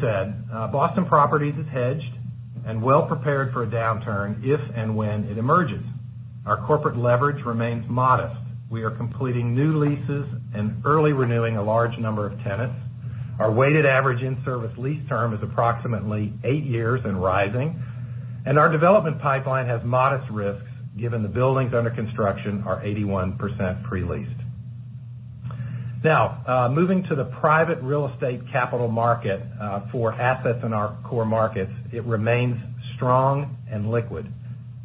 Being said, Boston Properties is hedged and well-prepared for a downturn if and when it emerges. Our corporate leverage remains modest. We are completing new leases and early renewing a large number of tenants. Our weighted average in-service lease term is approximately eight years and rising. Our development pipeline has modest risks, given the buildings under construction are 81% pre-leased. Now, moving to the private real estate capital market for assets in our core markets, it remains strong and liquid.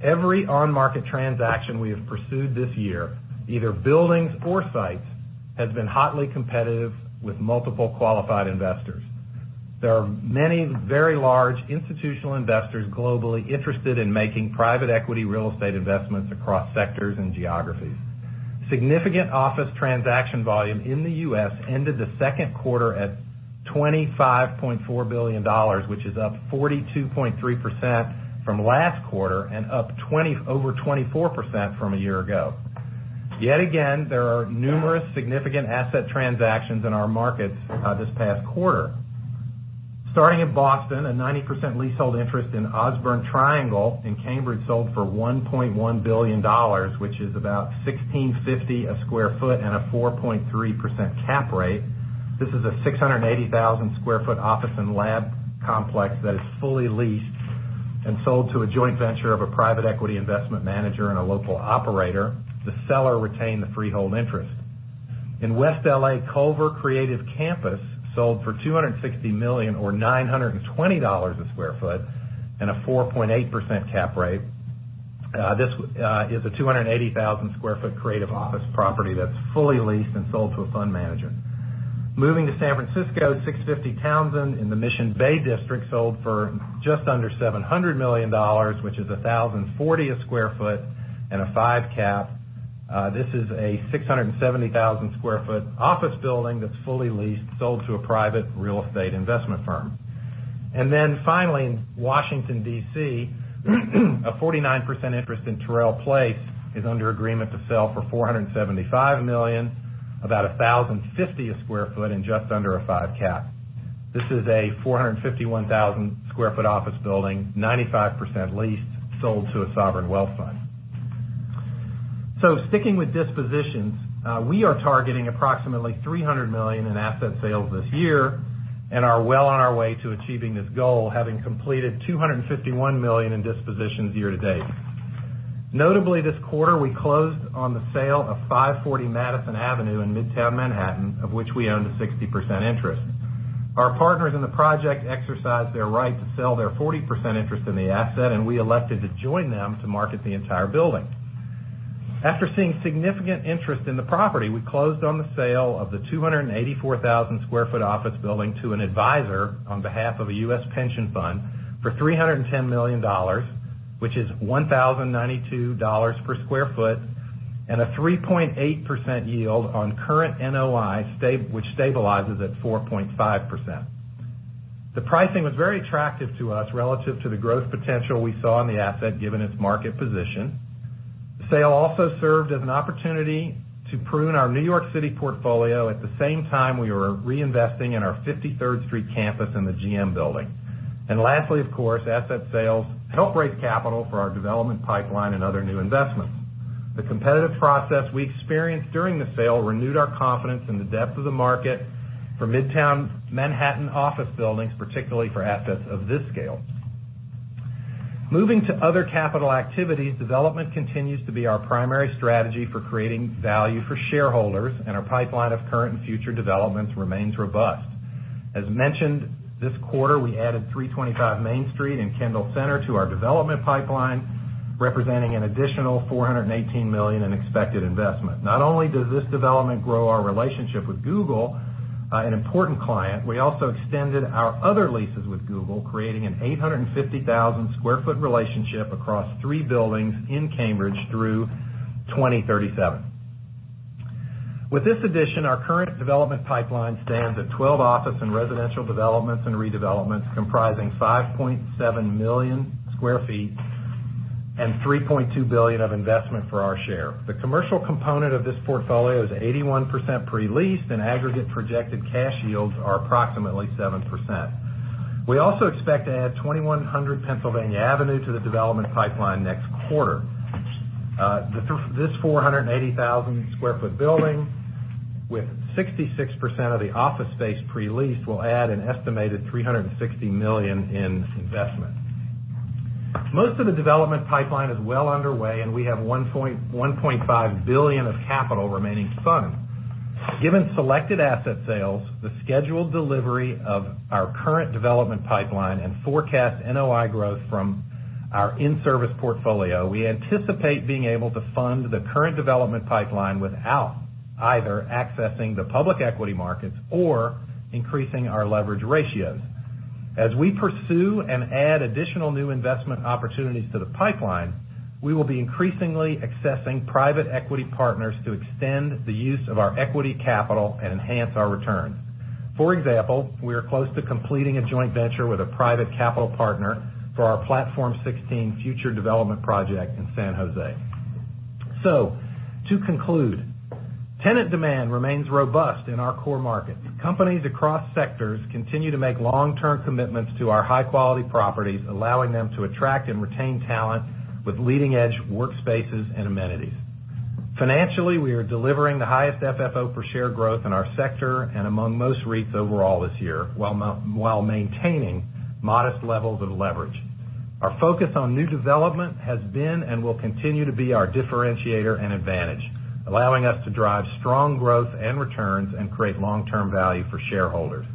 Every on-market transaction we have pursued this year, either buildings or sites, has been hotly competitive with multiple qualified investors. There are many very large institutional investors globally interested in making private equity real estate investments across sectors and geographies. Significant office transaction volume in the U.S. ended the second quarter at $25.4 billion, which is up 42.3% from last quarter and up over 24% from a year ago. Yet again, there are numerous significant asset transactions in our markets this past quarter. Starting in Boston, a 90% leasehold interest in Osborn Triangle in Cambridge sold for $1.1 billion, which is about 1,650 a square foot and a 4.3% cap rate. This is a 680,000 square foot office and lab complex that is fully leased and sold to a joint venture of a private equity investment manager and a local operator. The seller retained the freehold interest. In West L.A., Culver Creative Campus sold for $260 million or $920 a square foot and a 4.8% cap rate. This is a 280,000 square foot creative office property that's fully leased and sold to a fund manager. Moving to San Francisco, 650 Townsend in the Mission Bay district sold for just under $700 million, which is 1,040 a square foot and a five cap. This is a 670,000 sq ft office building that's fully leased, sold to a private real estate investment firm. Washington, D.C., a 49% interest in Terrell Place is under agreement to sell for $475 million, about $1,050 a sq ft and just under a 5 cap. This is a 451,000 sq ft office building, 95% leased, sold to a sovereign wealth fund. We are targeting approximately $300 million in asset sales this year and are well on our way to achieving this goal, having completed $251 million in dispositions year to date. Notably, this quarter, we closed on the sale of 540 Madison Avenue in Midtown Manhattan, of which we owned a 60% interest. Our partners in the project exercised their right to sell their 40% interest in the asset, and we elected to join them to market the entire building. After seeing significant interest in the property, we closed on the sale of the 284,000 sq ft office building to an advisor on behalf of a U.S. pension fund for $310 million, which is $1,092 per sq ft and a 3.8% yield on current NOI, which stabilizes at 4.5%. The pricing was very attractive to us relative to the growth potential we saw in the asset, given its market position. The sale also served as an opportunity to prune our New York City portfolio at the same time we were reinvesting in our 53rd Street campus in the GM Building. Lastly, of course, asset sales help raise capital for our development pipeline and other new investments. The competitive process we experienced during the sale renewed our confidence in the depth of the market for Midtown Manhattan office buildings, particularly for assets of this scale. Moving to other capital activities, development continues to be our primary strategy for creating value for shareholders, and our pipeline of current and future developments remains robust. As mentioned this quarter, we added 325 Main Street in Kendall Center to our development pipeline, representing an additional $418 million in expected investment. Not only does this development grow our relationship with Google, an important client, we also extended our other leases with Google, creating an 850,000 sq ft relationship across three buildings in Cambridge through 2037. With this addition, our current development pipeline stands at 12 office and residential developments and redevelopments comprising 5.7 million sq ft and $3.2 billion of investment for our share. The commercial component of this portfolio is 81% pre-leased, and aggregate projected cash yields are approximately 7%. We also expect to add 2100 Pennsylvania Avenue to the development pipeline next quarter. This 480,000 sq ft building with 66% of the office space pre-leased, will add an estimated $360 million in investment. Most of the development pipeline is well underway, and we have $1.5 billion of capital remaining to fund. Given selected asset sales, the scheduled delivery of our current development pipeline, and forecast NOI growth from our in-service portfolio, we anticipate being able to fund the current development pipeline without either accessing the public equity markets or increasing our leverage ratios. As we pursue and add additional new investment opportunities to the pipeline, we will be increasingly accessing private equity partners to extend the use of our equity capital and enhance our returns. For example, we are close to completing a joint venture with a private capital partner for our Platform 16 future development project in San Jose. To conclude, tenant demand remains robust in our core markets. Companies across sectors continue to make long-term commitments to our high-quality properties, allowing them to attract and retain talent with leading-edge workspaces and amenities. Financially, we are delivering the highest FFO per share growth in our sector and among most REITs overall this year while maintaining modest levels of leverage. Our focus on new development has been and will continue to be our differentiator and advantage, allowing us to drive strong growth and returns and create long-term value for shareholders.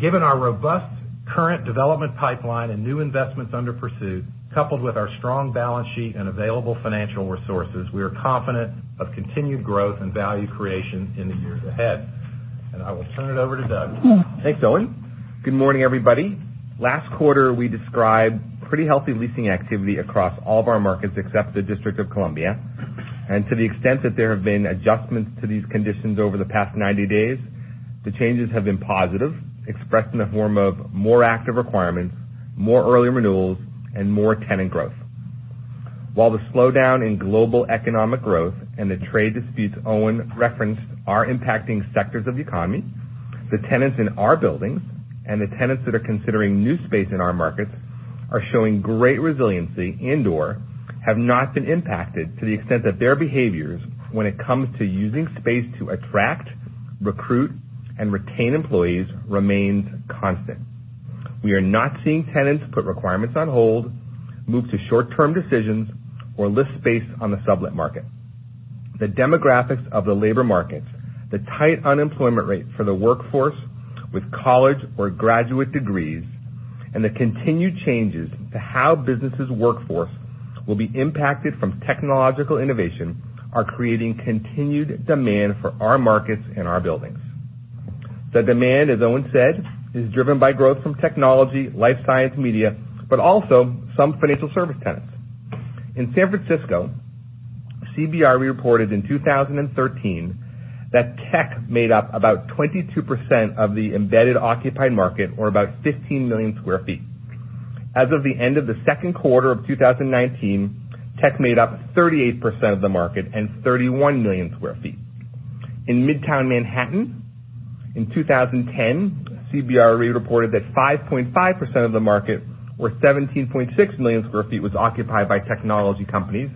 Given our robust current development pipeline and new investments under pursuit, coupled with our strong balance sheet and available financial resources, we are confident of continued growth and value creation in the years ahead. I will turn it over to Doug. Thanks, Owen. Good morning, everybody. Last quarter, we described pretty healthy leasing activity across all of our markets except D.C. To the extent that there have been adjustments to these conditions over the past 90 days, the changes have been positive, expressed in the form of more active requirements, more early renewals, and more tenant growth. While the slowdown in global economic growth and the trade disputes Owen referenced are impacting sectors of the economy, the tenants in our buildings and the tenants that are considering new space in our markets are showing great resiliency and/or have not been impacted to the extent that their behaviors when it comes to using space to attract, recruit, and retain employees remains constant. We are not seeing tenants put requirements on hold, move to short-term decisions, or list space on the sublet market. The demographics of the labor markets, the tight unemployment rate for the workforce with college or graduate degrees, and the continued changes to how businesses' workforce will be impacted from technological innovation are creating continued demand for our markets and our buildings. The demand, as Owen said, is driven by growth from technology, life science, media, but also some financial service tenants. In San Francisco, CBRE reported in 2013 that tech made up about 22% of the embedded occupied market, or about 15 million square feet. As of the end of the second quarter of 2019, tech made up 38% of the market and 31 million square feet. In Midtown Manhattan in 2010, CBRE reported that 5.5% of the market, or 17.6 million square feet, was occupied by technology companies.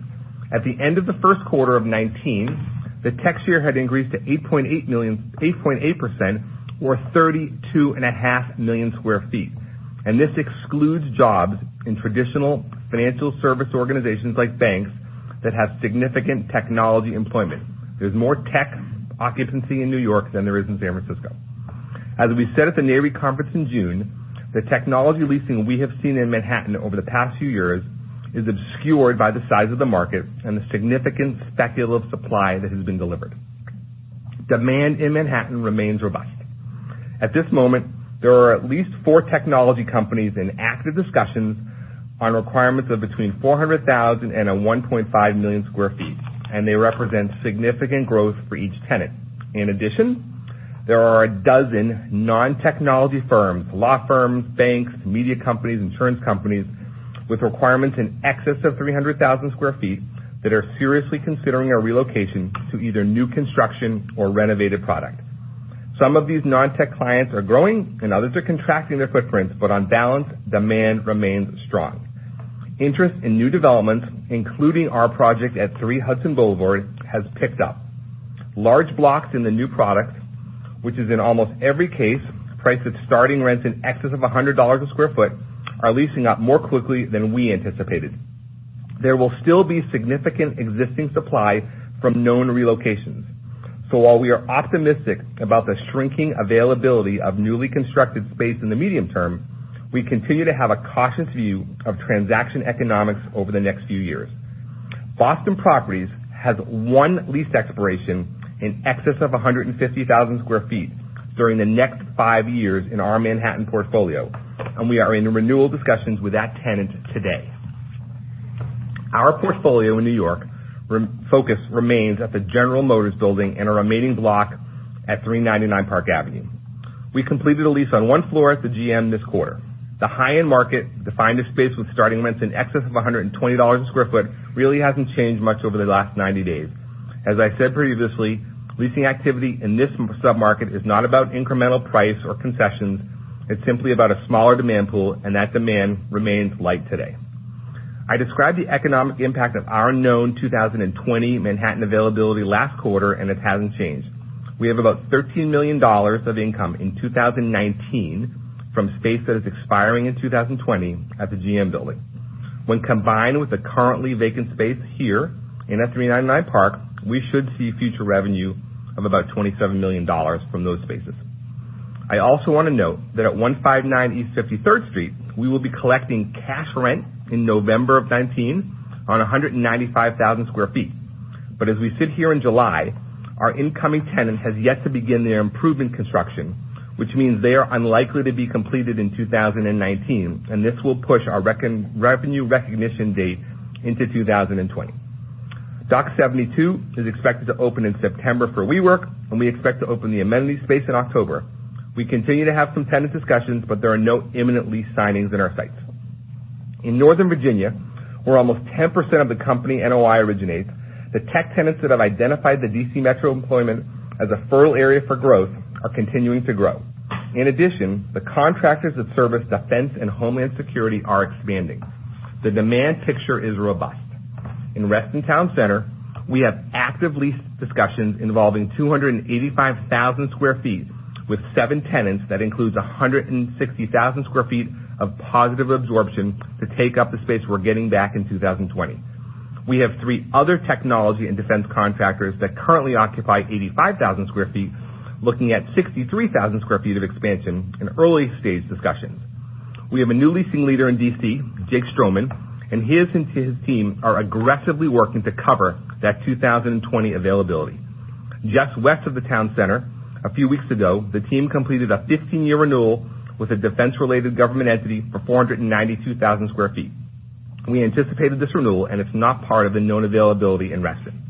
At the end of the first quarter of 2019, the tech share had increased to 8.8% or 32.5 million square feet. This excludes jobs in traditional financial service organizations like banks that have significant technology employment. There's more tech occupancy in New York than there is in San Francisco. As we said at the NAREIT conference in June, the technology leasing we have seen in Manhattan over the past few years is obscured by the size of the market and the significant speculative supply that has been delivered. Demand in Manhattan remains robust. At this moment, there are at least four technology companies in active discussions on requirements of between 400,000 and a 1.5 million square feet, and they represent significant growth for each tenant. In addition, there are 12 non-technology firms, law firms, banks, media companies, insurance companies with requirements in excess of 300,000 sq ft that are seriously considering a relocation to either new construction or renovated product. Some of these non-tech clients are growing and others are contracting their footprints, but on balance, demand remains strong. Interest in new developments, including our project at 3 Hudson Boulevard, has picked up. Large blocks in the new product, which is in almost every case, priced at starting rents in excess of $100 a sq ft, are leasing up more quickly than we anticipated. There will still be significant existing supply from known relocations. While we are optimistic about the shrinking availability of newly constructed space in the medium term, we continue to have a cautious view of transaction economics over the next few years. Boston Properties has one lease expiration in excess of 150,000 sq ft during the next five years in our Manhattan portfolio, and we are in the renewal discussions with that tenant today. Our portfolio in New York focus remains at the General Motors building and our remaining block at 399 Park Avenue. We completed a lease on one floor at the GM this quarter. The high-end market defined a space with starting rents in excess of $120 a sq ft really hasn't changed much over the last 90 days. As I said previously, leasing activity in this sub-market is not about incremental price or concessions, it's simply about a smaller demand pool, and that demand remains light today. I described the economic impact of our known 2020 Manhattan availability last quarter, and it hasn't changed. We have about $13 million of income in 2019 from space that is expiring in 2020 at the GM building. When combined with the currently vacant space here and at 399 Park, we should see future revenue of about $27 million from those spaces. I also want to note that at 159 East 53rd Street, we will be collecting cash rent in November of 2019 on 195,000 sq ft. As we sit here in July, our incoming tenant has yet to begin their improvement construction, which means they are unlikely to be completed in 2019, and this will push our revenue recognition date into 2020. Dock 72 is expected to open in September for WeWork, and we expect to open the amenity space in October. We continue to have some tenant discussions, but there are no imminent lease signings in our sights. In Northern Virginia, where almost 10% of the company NOI originates, the tech tenants that have identified the D.C. metro employment as a fertile area for growth are continuing to grow. The contractors that service defense and homeland security are expanding. The demand picture is robust. In Reston Town Center, we have active lease discussions involving 285,000 square feet with seven tenants. That includes 160,000 square feet of positive absorption to take up the space we're getting back in 2020. We have three other technology and defense contractors that currently occupy 85,000 square feet, looking at 63,000 square feet of expansion in early-stage discussions. We have a new leasing leader in D.C., Jake Stroman. He and his team are aggressively working to cover that 2020 availability. Just west of the town center, a few weeks ago, the team completed a 15-year renewal with a defense-related government entity for 492,000 sq ft. We anticipated this renewal, and it's not part of the known availability in Reston.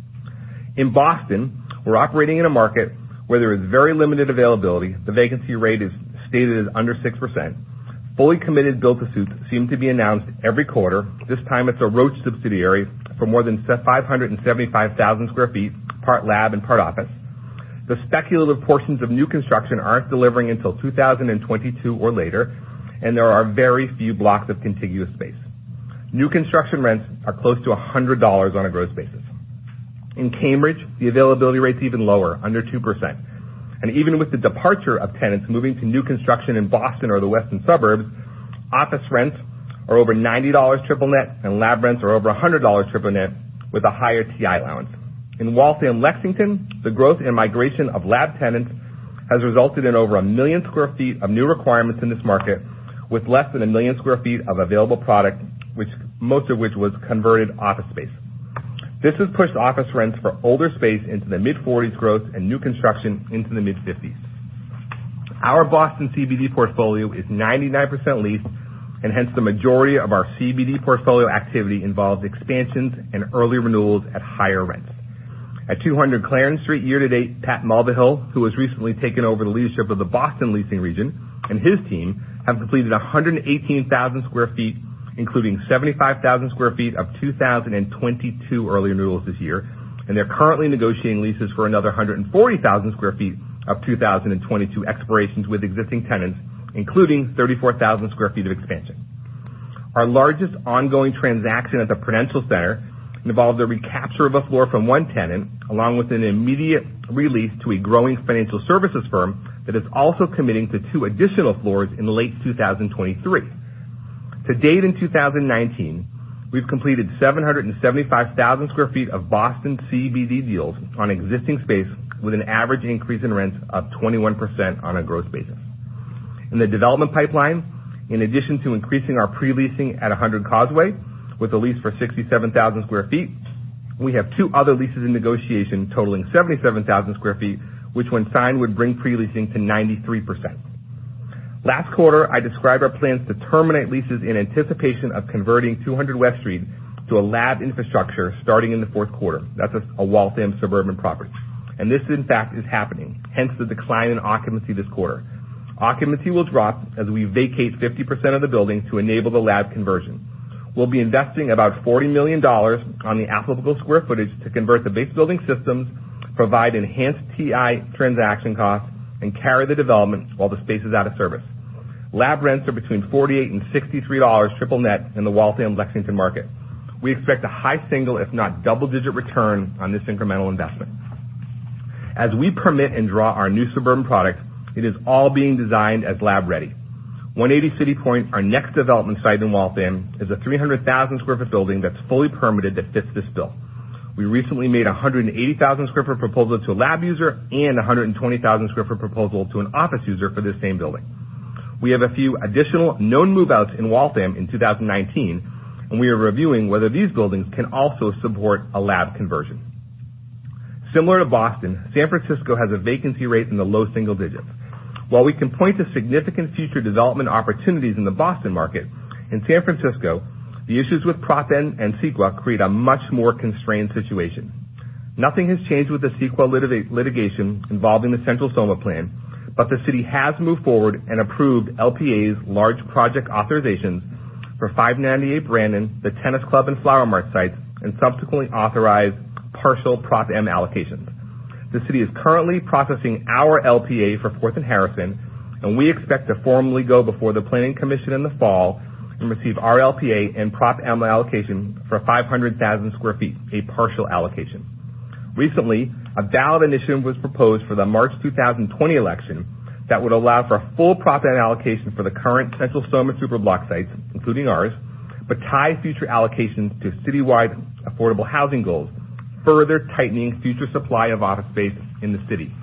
In Boston, we're operating in a market where there is very limited availability. The vacancy rate is stated as under 6%. Fully committed build-to-suits seem to be announced every quarter. This time it's a Roche subsidiary for more than 575,000 sq ft, part lab and part office. The speculative portions of new construction aren't delivering until 2022 or later, and there are very few blocks of contiguous space. New construction rents are close to $100 on a gross basis. In Cambridge, the availability rate's even lower, under 2%. Even with the departure of tenants moving to new construction in Boston or the western suburbs, office rents are over $90 triple net, and lab rents are over $100 triple net with a higher TI allowance. In Waltham, Lexington, the growth and migration of lab tenants has resulted in over 1 million square feet of new requirements in this market, with less than 1 million square feet of available product, most of which was converted office space. This has pushed office rents for older space into the mid-$40s growth and new construction into the mid-$50s. Our Boston CBD portfolio is 99% leased, hence the majority of our CBD portfolio activity involves expansions and early renewals at higher rents. At 200 Clarendon Street year to date, Pat Mulvihill, who has recently taken over the leadership of the Boston Region, and his team, have completed 118,000 sq ft, including 75,000 sq ft of 2022 early renewals this year, and they're currently negotiating leases for another 140,000 sq ft of 2022 expirations with existing tenants, including 34,000 sq ft of expansion. Our largest ongoing transaction at the Prudential Center involves the recapture of a floor from one tenant, along with an immediate re-lease to a growing financial services firm that is also committing to two additional floors in late 2023. To date in 2019, we've completed 775,000 sq ft of Boston CBD deals on existing space, with an average increase in rents of 21% on a gross basis. In the development pipeline, in addition to increasing our pre-leasing at 100 Causeway with a lease for 67,000 square feet, we have two other leases in negotiation totaling 77,000 square feet, which when signed, would bring pre-leasing to 93%. Last quarter, I described our plans to terminate leases in anticipation of converting 200 West Street to a lab infrastructure starting in the fourth quarter. That's a Waltham suburban property. This in fact is happening, hence the decline in occupancy this quarter. Occupancy will drop as we vacate 50% of the building to enable the lab conversion. We'll be investing about $40 million on the applicable square footage to convert the base building systems, provide enhanced TI transaction costs, and carry the development while the space is out of service. Lab rents are between $48 and $63 triple net in the Waltham, Lexington market. We expect a high single, if not double-digit, return on this incremental investment. As we permit and draw our new suburban product, it is all being designed as lab-ready. 180 CityPoint, our next development site in Waltham, is a 300,000-square-foot building that's fully permitted that fits this bill. We recently made a 180,000-square-foot proposal to a lab user and 120,000-square-foot proposal to an office user for this same building. We have a few additional known move-outs in Waltham in 2019, and we are reviewing whether these buildings can also support a lab conversion. Similar to Boston, San Francisco has a vacancy rate in the low single digits. While we can point to significant future development opportunities in the Boston market, in San Francisco, the issues with Prop M and CEQA create a much more constrained situation. Nothing has changed with the CEQA litigation involving the Central SoMa plan, but the city has moved forward and approved LPAs large project authorizations for 598 Brannan, the Tennis Club, and Flower Mart sites, and subsequently authorized partial Prop M allocations. The city is currently processing our LPA for Fourth and Harrison, and we expect to formally go before the Planning Commission in the fall and receive our LPA and Prop M allocation for 500,000 sq ft, a partial allocation. Recently, a ballot initiative was proposed for the March 2020 election that would allow for a full Prop M allocation for the current Central SoMa superblock sites, including ours, but ties future allocations to citywide affordable housing goals, further tightening future supply of office space in the city.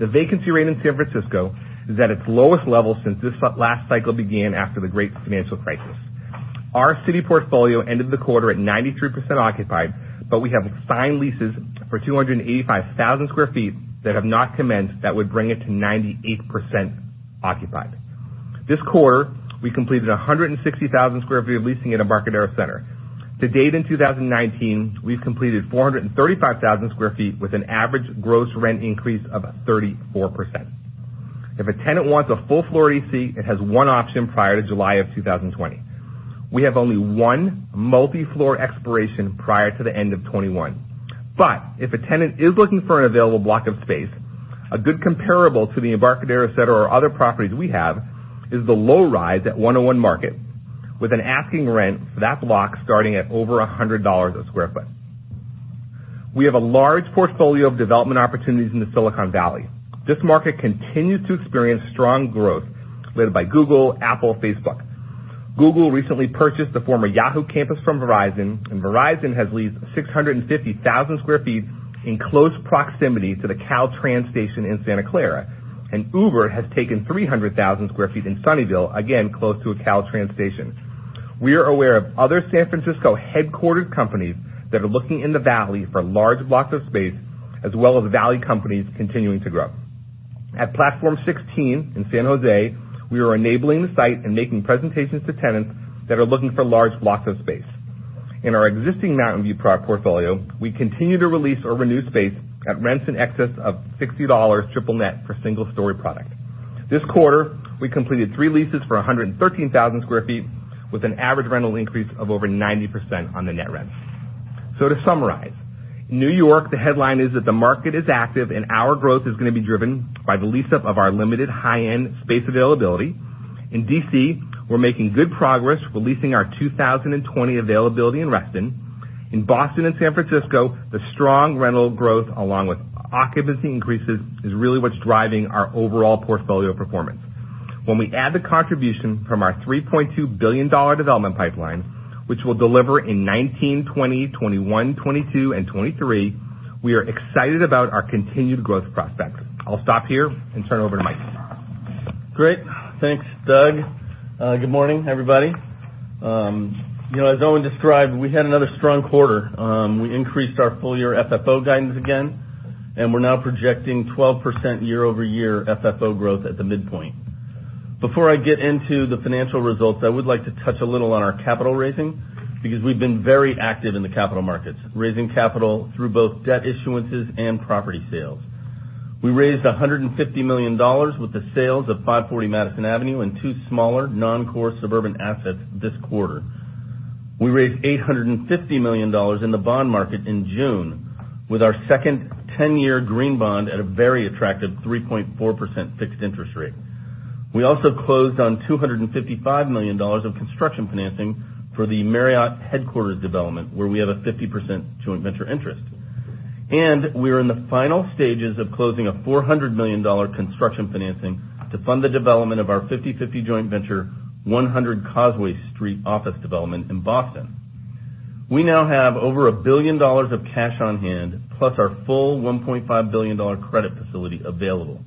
The vacancy rate in San Francisco is at its lowest level since this last cycle began after the great financial crisis. Our city portfolio ended the quarter at 93% occupied. We have signed leases for 285,000 square feet that have not commenced that would bring it to 98% occupied. This quarter, we completed 160,000 square feet of leasing at Embarcadero Center. To date, in 2019, we've completed 435,000 square feet with an average gross rent increase of 34%. If a tenant wants a full floor D.C., it has one option prior to July of 2020. We have only one multi-floor expiration prior to the end of 2021. If a tenant is looking for an available block of space, a good comparable to the Embarcadero Center or other properties we have, is the low-rise at 101 Market, with an asking rent for that block starting at over $100 a square foot. We have a large portfolio of development opportunities in the Silicon Valley. This market continues to experience strong growth led by Google, Apple, Facebook. Google recently purchased the former Yahoo! campus from Verizon, and Verizon has leased 650,000 sq ft in close proximity to the Caltrain station in Santa Clara. Uber has taken 300,000 sq ft in Sunnyvale, again, close to a Caltrain station. We are aware of other San Francisco-headquartered companies that are looking in the Valley for large blocks of space, as well as Valley companies continuing to grow. At Platform 16 in San Jose, we are enabling the site and making presentations to tenants that are looking for large blocks of space. In our existing Mountain View product portfolio, we continue to release or renew space at rents in excess of $60 triple net for single-story product. This quarter, we completed 3 leases for 113,000 square feet, with an average rental increase of over 90% on the net rent. To summarize, in New York, the headline is that the market is active, and our growth is going to be driven by the lease-up of our limited high-end space availability. In D.C., we're making good progress with leasing our 2020 availability in Reston. In Boston and San Francisco, the strong rental growth, along with occupancy increases, is really what's driving our overall portfolio performance. When we add the contribution from our $3.2 billion development pipeline, which we'll deliver in 2019, 2020, 2021, 2022, and 2023, we are excited about our continued growth prospects. I'll stop here and turn it over to Mike. Great. Thanks, Doug. Good morning, everybody. As Owen described, we had another strong quarter. We increased our full year FFO guidance again, and we're now projecting 12% year-over-year FFO growth at the midpoint. Before I get into the financial results, I would like to touch a little on our capital raising, because we've been very active in the capital markets, raising capital through both debt issuances and property sales. We raised $150 million with the sales of 540 Madison Avenue and two smaller non-core suburban assets this quarter. We raised $850 million in the bond market in June with our second 10 year green bond at a very attractive 3.4% fixed interest rate. We also closed on $255 million of construction financing for the Marriott headquarters development, where we have a 50% joint venture interest. We're in the final stages of closing a $400 million construction financing to fund the development of our 50/50 joint venture 100 Causeway Street office development in Boston. We now have over $1 billion of cash on hand, plus our full $1.5 billion credit facility available.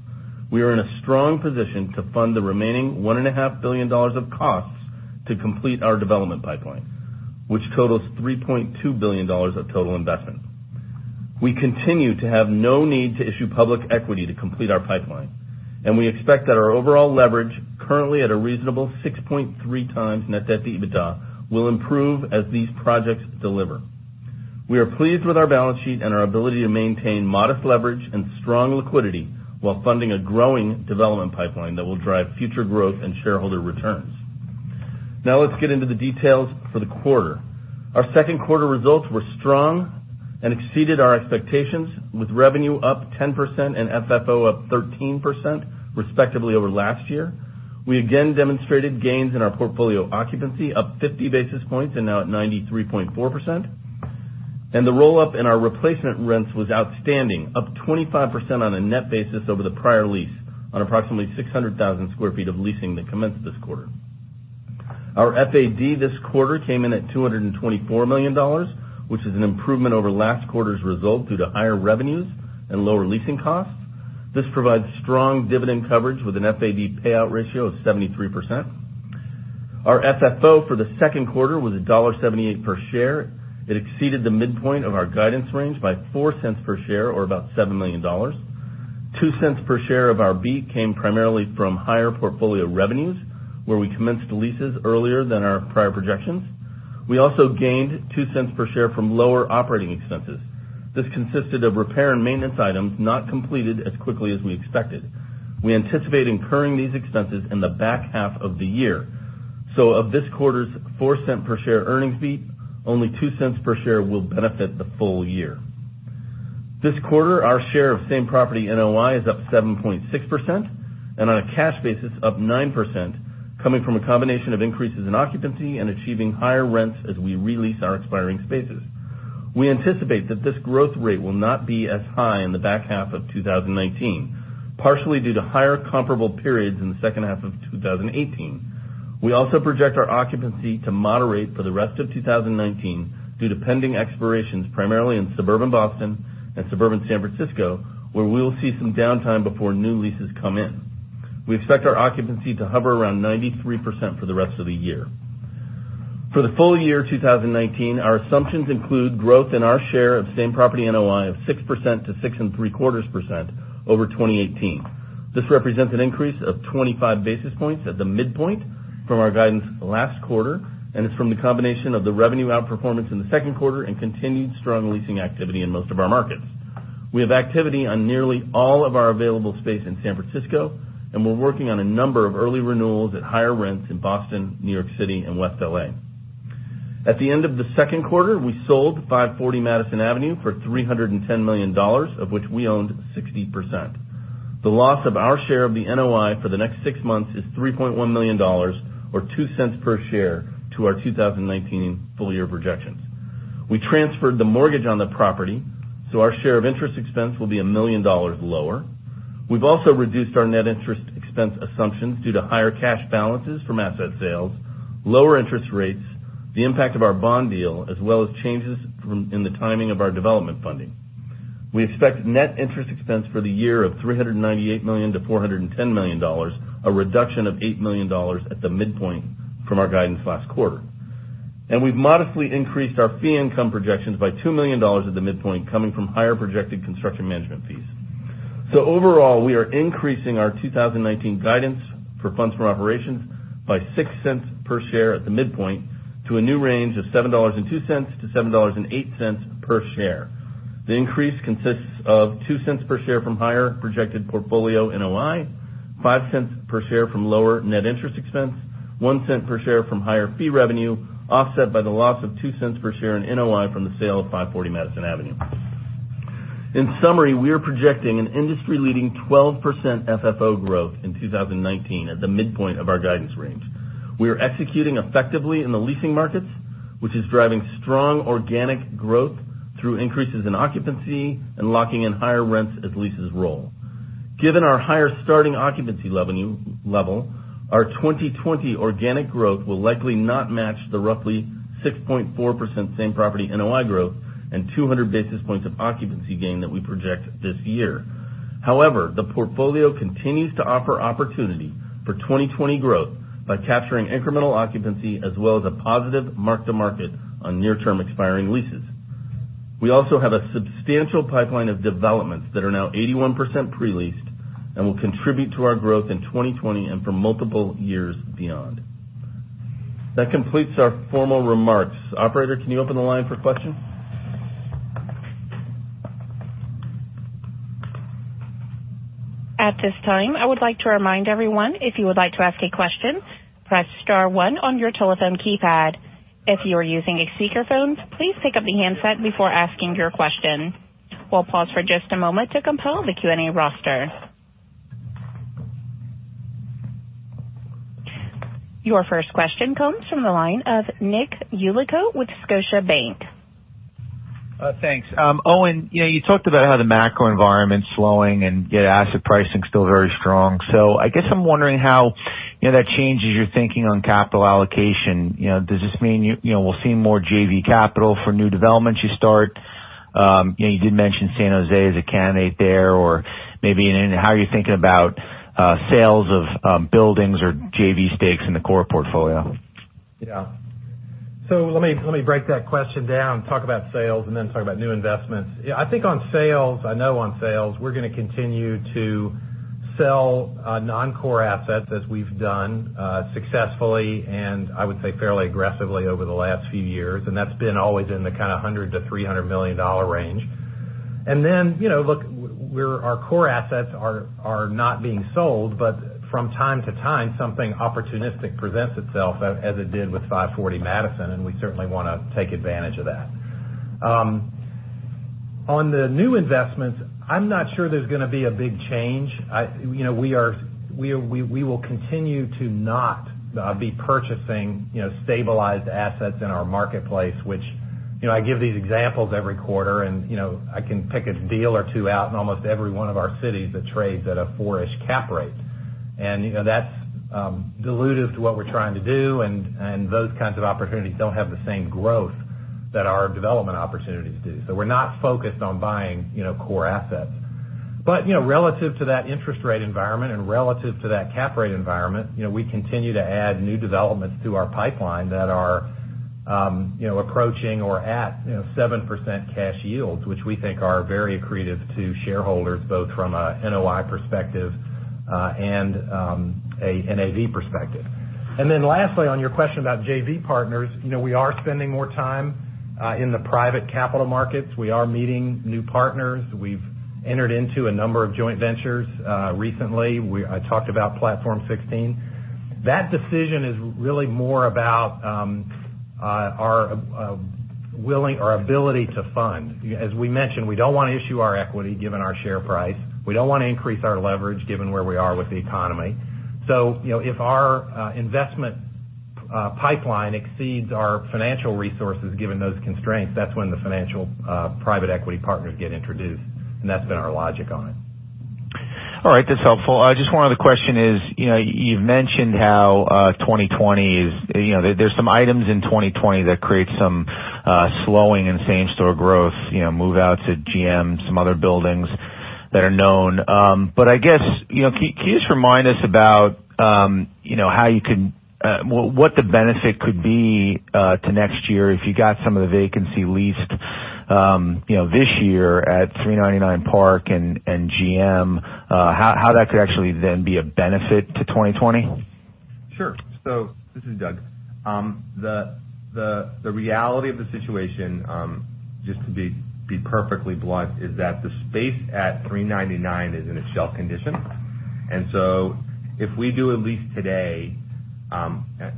We are in a strong position to fund the remaining $1.5 billion of costs to complete our development pipeline, which totals $3.2 billion of total investment. We continue to have no need to issue public equity to complete our pipeline, and we expect that our overall leverage, currently at a reasonable 6.3 times net debt to EBITDA, will improve as these projects deliver. We are pleased with our balance sheet and our ability to maintain modest leverage and strong liquidity while funding a growing development pipeline that will drive future growth and shareholder returns. Now let's get into the details for the quarter. Our second quarter results were strong and exceeded our expectations, with revenue up 10% and FFO up 13%, respectively, over last year. We again demonstrated gains in our portfolio occupancy, up 50 basis points and now at 93.4%. The roll-up in our replacement rents was outstanding, up 25% on a net basis over the prior lease on approximately 600,000 square feet of leasing that commenced this quarter. Our FAD this quarter came in at $224 million, which is an improvement over last quarter's result due to higher revenues and lower leasing costs. This provides strong dividend coverage with an FAD payout ratio of 73%. Our FFO for the second quarter was $1.78 per share. It exceeded the midpoint of our guidance range by $0.04 per share, or about $7 million. $0.02 per share of our beat came primarily from higher portfolio revenues, where we commenced leases earlier than our prior projections. We also gained $0.02 per share from lower operating expenses. This consisted of repair and maintenance items not completed as quickly as we expected. We anticipate incurring these expenses in the back half of the year. Of this quarter's $0.04 per share earnings beat, only $0.02 per share will benefit the full year. This quarter, our share of same-property NOI is up 7.6%, and on a cash basis up 9%, coming from a combination of increases in occupancy and achieving higher rents as we re-lease our expiring spaces. We anticipate that this growth rate will not be as high in the back half of 2019, partially due to higher comparable periods in the second half of 2018. We also project our occupancy to moderate for the rest of 2019 due to pending expirations, primarily in suburban Boston and suburban San Francisco, where we will see some downtime before new leases come in. We expect our occupancy to hover around 93% for the rest of the year. For the full year 2019, our assumptions include growth in our share of same-property NOI of 6% to 6.75% over 2018. It's from the combination of the revenue outperformance in the second quarter and continued strong leasing activity in most of our markets. We have activity on nearly all of our available space in San Francisco. We're working on a number of early renewals at higher rents in Boston, New York City, and West L.A. At the end of the second quarter, we sold 540 Madison Avenue for $310 million, of which we owned 60%. The loss of our share of the NOI for the next six months is $3.1 million, or $0.02 per share to our 2019 full-year projections. We transferred the mortgage on the property, our share of interest expense will be $1 million lower. We've also reduced our net interest expense assumptions due to higher cash balances from asset sales, lower interest rates, the impact of our bond deal, as well as changes in the timing of our development funding. We expect net interest expense for the year of $398 million-$410 million, a reduction of $8 million at the midpoint from our guidance last quarter. We've modestly increased our fee income projections by $2 million at the midpoint, coming from higher projected construction management fees. Overall, we are increasing our 2019 guidance for funds from operations by $0.06 per share at the midpoint to a new range of $7.02-$7.08 per share. The increase consists of $0.02 per share from higher projected portfolio NOI, $0.05 per share from lower net interest expense, $0.01 per share from higher fee revenue, offset by the loss of $0.02 per share in NOI from the sale of 540 Madison Avenue. In summary, we are projecting an industry-leading 12% FFO growth in 2019 at the midpoint of our guidance range. We are executing effectively in the leasing markets, which is driving strong organic growth through increases in occupancy and locking in higher rents as leases roll. Given our higher starting occupancy level, our 2020 organic growth will likely not match the roughly 6.4% same-property NOI growth and 200 basis points of occupancy gain that we project this year. The portfolio continues to offer opportunity for 2020 growth by capturing incremental occupancy as well as a positive mark-to-market on near-term expiring leases. We also have a substantial pipeline of developments that are now 81% pre-leased and will contribute to our growth in 2020 and for multiple years beyond. That completes our formal remarks. Operator, can you open the line for questions? At this time, I would like to remind everyone, if you would like to ask a question, press star one on your telephone keypad. If you are using a speakerphone, please pick up the handset before asking your question. We'll pause for just a moment to compile the Q&A roster. Your first question comes from the line of Nick Yulico with Scotiabank. Thanks. Owen, you talked about how the macro environment's slowing and yet asset pricing is still very strong. I guess I'm wondering how that changes your thinking on capital allocation. Does this mean we'll see more JV capital for new developments you start? You did mention San Jose as a candidate there, or maybe how are you thinking about sales of buildings or JV stakes in the core portfolio? Let me break that question down, talk about sales, and then talk about new investments. I think on sales, I know on sales, we're going to continue to sell non-core assets as we've done successfully, and I would say fairly aggressively over the last few years, and that's been always in the kind of $100 million-$300 million range. Look, our core assets are not being sold, but from time to time, something opportunistic presents itself, as it did with 540 Madison, and we certainly want to take advantage of that. On the new investments, I'm not sure there's going to be a big change. We will continue to not be purchasing stabilized assets in our marketplace. I give these examples every quarter, I can pick a deal or two out in almost every one of our cities that trades at a four-ish cap rate. That's dilutive to what we're trying to do, and those kinds of opportunities don't have the same growth that our development opportunities do. We're not focused on buying core assets. Relative to that interest rate environment and relative to that cap rate environment, we continue to add new developments to our pipeline that are approaching or at 7% cash yields, which we think are very accretive to shareholders, both from an NOI perspective and a NAV perspective. Lastly, on your question about JV partners, we are spending more time in the private capital markets. We are meeting new partners. We've entered into a number of joint ventures recently. I talked about Platform16. That decision is really more about our ability to fund. As we mentioned, we don't want to issue our equity given our share price. We don't want to increase our leverage given where we are with the economy. If our investment pipeline exceeds our financial resources, given those constraints, that's when the financial private equity partners get introduced, and that's been our logic on it. All right. That's helpful. Just one other question is, you've mentioned how there's some items in 2020 that create some slowing in same-store growth, move out to GM, some other buildings that are known. I guess, can you just remind us about what the benefit could be to next year if you got some of the vacancy leased this year at 399 Park and GM, how that could actually then be of benefit to 2020? Sure. This is Doug. The reality of the situation, just to be perfectly blunt, is that the space at 399 is in a shell condition. If we do a lease today,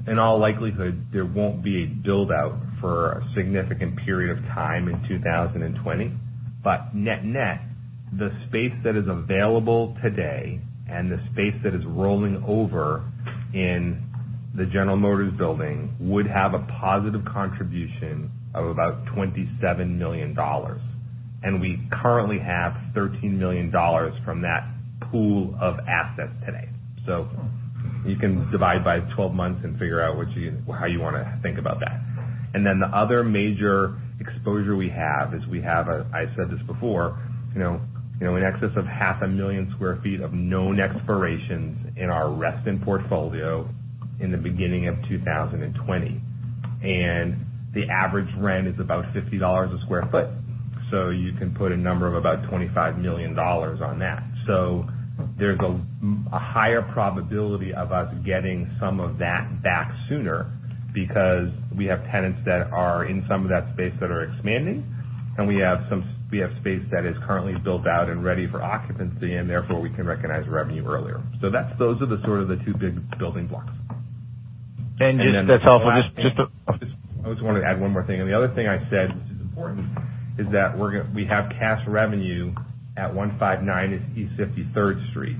in all likelihood, there won't be a build-out for a significant period of time in 2020. Net net, the space that is available today and the space that is rolling over in the General Motors building would have a positive contribution of about $27 million. We currently have $13 million from that pool of assets today. You can divide by 12 months and figure out how you want to think about that. The other major exposure we have is we have, I said this before, in excess of half a million sq ft of known expirations in our Reston portfolio in the beginning of 2020. The average rent is about $50 a square foot. You can put a number of about $25 million on that. There's a higher probability of us getting some of that back sooner because we have tenants that are in some of that space that are expanding, and we have space that is currently built out and ready for occupancy, and therefore we can recognize revenue earlier. Those are the sort of the two big building blocks. Just that's helpful. I just wanted to add one more thing. The other thing I said, which is important, is that we have cash revenue at 159 East 53rd Street,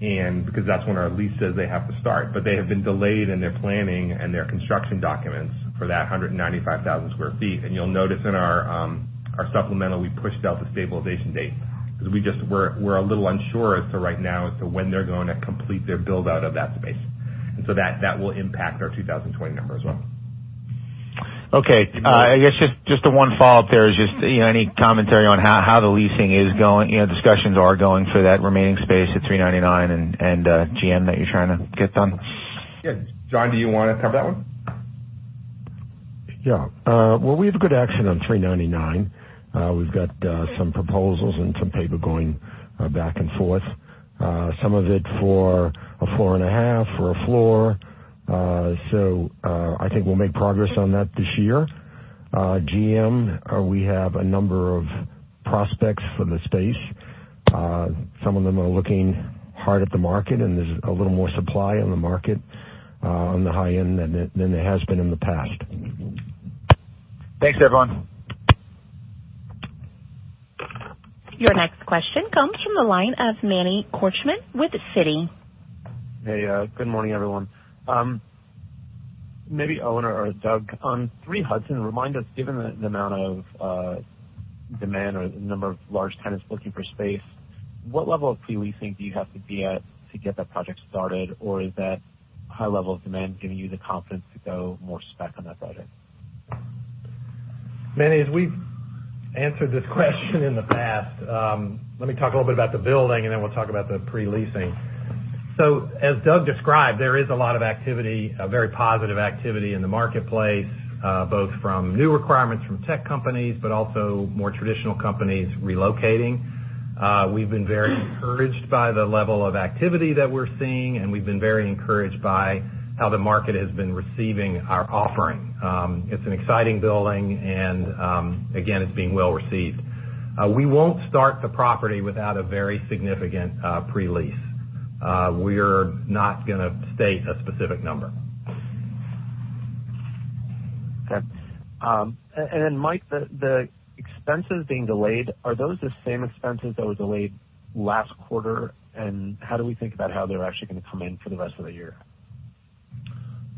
and because that's when our lease says they have to start. They have been delayed in their planning and their construction documents for that 195,000 sq ft. You'll notice in our supplemental, we pushed out the stabilization date because we're a little unsure as to right now as to when they're going to complete their build-out of that space. That will impact our 2020 number as well. Okay. I guess just the one follow-up there is just any commentary on how the leasing is going, discussions are going for that remaining space at 399 and GM that you're trying to get done? Yeah. John, do you want to cover that one? Yeah. Well, we have good action on 399. We've got some proposals and some paper going back and forth. Some of it for a floor and a half or a floor. I think we'll make progress on that this year. GSA, we have a number of prospects for the space. Some of them are looking hard at the market, and there's a little more supply on the market on the high end than there has been in the past. Thanks, everyone. Your next question comes from the line of Manny Korchman with Citi. Hey, good morning, everyone. Maybe Owen or Doug, on 3 Hudson, remind us, given the amount of demand or the number of large tenants looking for space, what level of pre-leasing do you have to be at to get that project started? Or is that high level of demand giving you the confidence to go more spec on that project? Manny, as we've answered this question in the past, let me talk a little bit about the building, and then we'll talk about the pre-leasing. As Doug described, there is a lot of activity, a very positive activity in the marketplace, both from new requirements from tech companies, but also more traditional companies relocating. We've been very encouraged by the level of activity that we're seeing, and we've been very encouraged by how the market has been receiving our offering. It's an exciting building, and again, it's being well-received. We won't start the property without a very significant pre-lease. We're not going to state a specific number. Okay. Then Mike, the expenses being delayed, are those the same expenses that were delayed last quarter? How do we think about how they're actually going to come in for the rest of the year?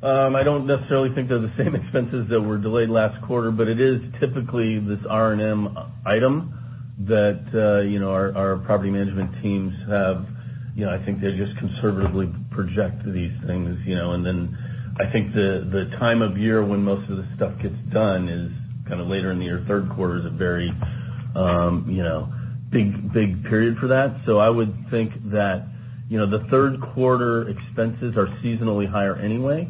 I don't necessarily think they're the same expenses that were delayed last quarter, but it is typically this R&M item that our property management teams have. I think they just conservatively project these things. Then I think the time of year when most of the stuff gets done is kind of later in the year. Third quarter is a very big period for that. I would think that the third quarter expenses are seasonally higher anyway,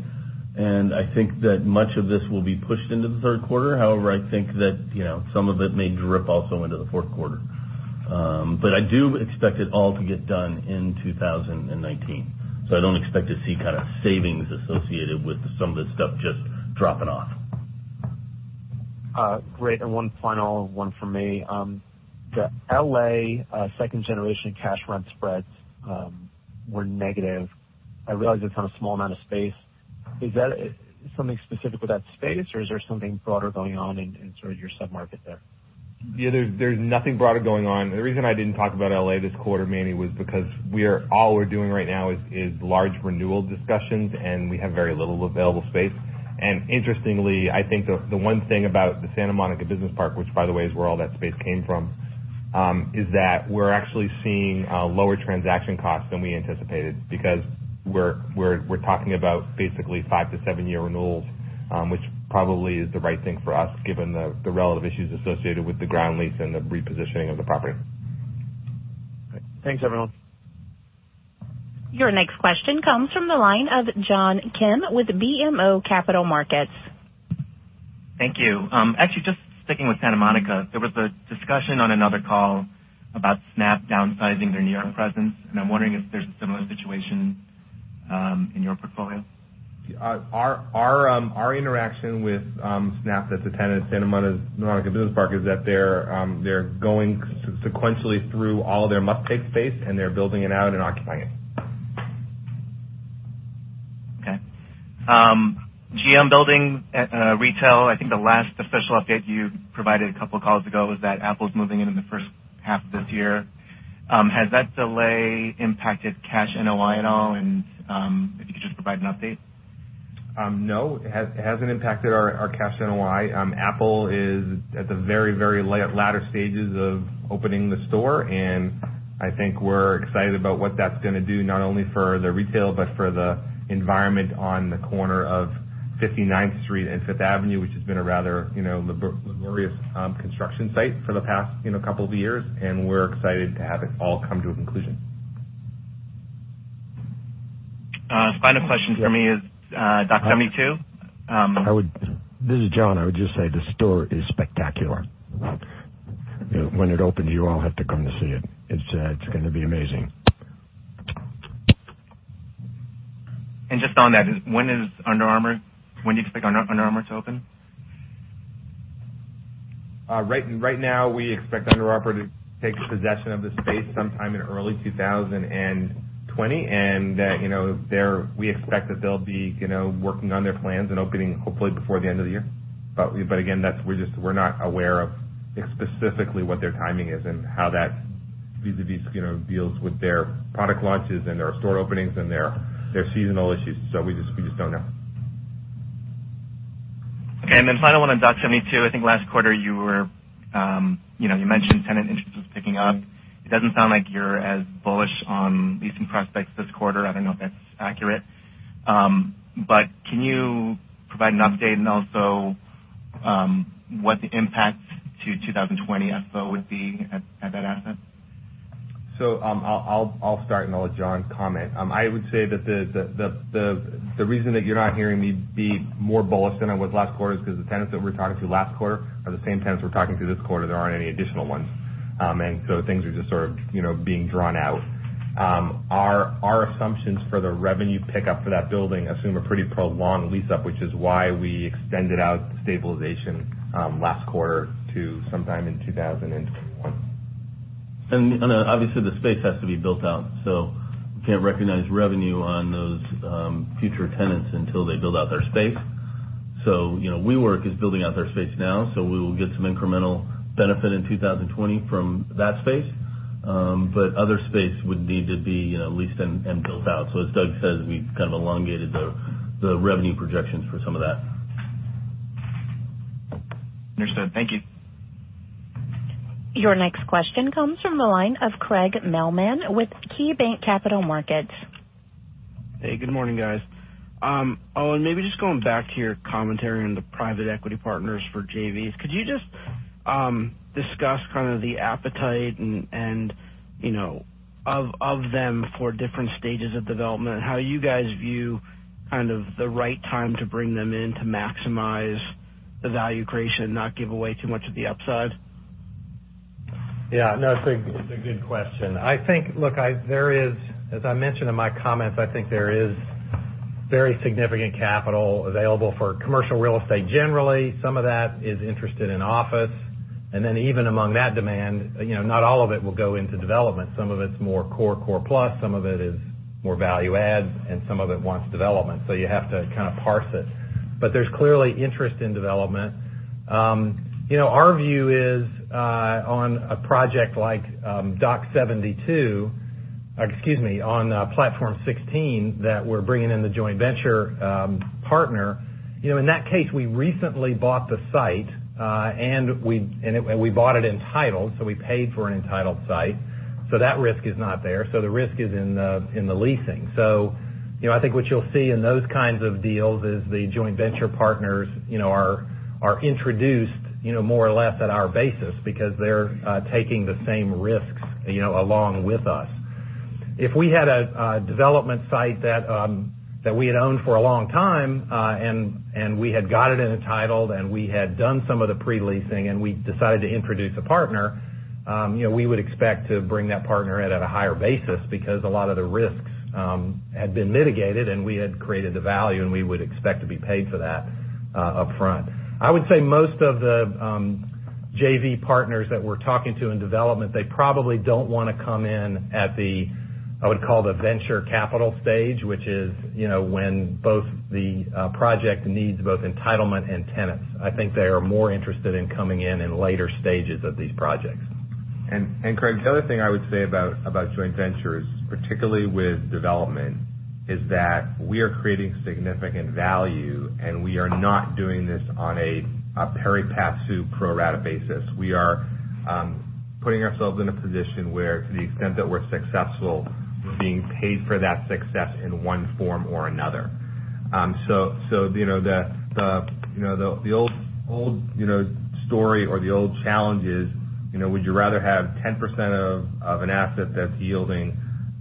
and I think that much of this will be pushed into the third quarter. However, I think that some of it may drip also into the fourth quarter. I do expect it all to get done in 2019. I don't expect to see kind of savings associated with some of this stuff just dropping off. Great. One final one from me. The L.A. second generation cash rent spreads were negative. I realize it's on a small amount of space. Is that something specific with that space, or is there something broader going on in sort of your sub-market there? Yeah, there's nothing broader going on. The reason I didn't talk about L.A. this quarter, Manny, was because all we're doing right now is large renewal discussions, and we have very little available space. Interestingly, I think the one thing about the Santa Monica Business Park, which by the way, is where all that space came from, is that we're actually seeing lower transaction costs than we anticipated because we're talking about basically five to seven-year renewals, which probably is the right thing for us, given the relative issues associated with the ground lease and the repositioning of the property. Thanks, everyone. Your next question comes from the line of John Kim with BMO Capital Markets. Thank you. Actually, just sticking with Santa Monica, there was a discussion on another call about Snap downsizing their New York presence. I'm wondering if there's a similar situation in your portfolio. Our interaction with Snap as a tenant at Santa Monica Business Park is that they're going sequentially through all their must-take space, and they're building it out and occupying it. Okay. GM Building retail. I think the last official update you provided a couple of calls ago was that Apple's moving in in the first half of this year. Has that delay impacted cash NOI at all? If you could just provide an update? No, it hasn't impacted our cash NOI. Apple is at the very latter stages of opening the store, and I think we're excited about what that's going to do, not only for the retail but for the environment on the corner of 59th Street and Fifth Avenue, which has been a rather notorious construction site for the past couple of years. We're excited to have it all come to a conclusion. Final question for me is Dock 72. This is John. I would just say the store is spectacular. When it opens, you all have to come to see it. It's going to be amazing. Just on that, when do you expect Under Armour to open? Right now, we expect Under Armour to take possession of the space sometime in early 2020, and we expect that they'll be working on their plans and opening, hopefully, before the end of the year. Again, we're not aware of specifically what their timing is and how that vis-à-vis deals with their product launches and their store openings and their seasonal issues. We just don't know. Okay. Final one on Dock 72. I think last quarter, you mentioned tenant interest was picking up. It doesn't sound like you're as bullish on leasing prospects this quarter. I don't know if that's accurate. Can you provide an update and also what the impact to 2020 FFO would be at that asset? I'll start, and I'll let John comment. I would say that the reason that you're not hearing me be more bullish than I was last quarter is because the tenants that we were talking to last quarter are the same tenants we're talking to this quarter. There aren't any additional ones. Things are just sort of being drawn out. Our assumptions for the revenue pickup for that building assume a pretty prolonged lease up, which is why we extended out the stabilization last quarter to sometime in 2021. Obviously, the space has to be built out, so we can't recognize revenue on those future tenants until they build out their space. WeWork is building out their space now, so we will get some incremental benefit in 2020 from that space. Other space would need to be leased and built out. As Doug says, we've kind of elongated the revenue projections for some of that. Understood. Thank you. Your next question comes from the line of Craig Mailman with KeyBanc Capital Markets. Hey, good morning, guys. Owen, maybe just going back to your commentary on the private equity partners for JVs. Could you just discuss kind of the appetite of them for different stages of development? How you guys view kind of the right time to bring them in to maximize the value creation and not give away too much of the upside? Yeah. No, it's a good question. As I mentioned in my comments, I think there is very significant capital available for commercial real estate. Generally, some of that is interested in office. Even among that demand, not all of it will go into development. Some of it's more core-plus, some of it is more value-add, and some of it wants development. You have to kind of parse it. There's clearly interest in development. Our view is on a project like Dock 72, excuse me, on Platform 16 that we're bringing in the joint venture partner. In that case, we recently bought the site, and we bought it entitled, so we paid for an entitled site. That risk is not there. The risk is in the leasing. I think what you'll see in those kinds of deals is the joint venture partners are introduced more or less at our basis because they're taking the same risks, along with us. If we had a development site that we had owned for a long time, and we had got it entitled, and we had done some of the pre-leasing, and we decided to introduce a partner, we would expect to bring that partner in at a higher basis because a lot of the risks had been mitigated, and we had created the value, and we would expect to be paid for that upfront. I would say most of the JV partners that we're talking to in development, they probably don't want to come in at the, I would call the venture capital stage, which is when both the project needs both entitlement and tenants. I think they are more interested in coming in in later stages of these projects. Craig, the other thing I would say about joint ventures, particularly with development, is that we are creating significant value, and we are not doing this on a pari passu pro rata basis. We are putting ourselves in a position where, to the extent that we're successful, being paid for that success in one form or another. The old story or the old challenge is, would you rather have 10% of an asset that's yielding